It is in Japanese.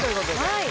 はい。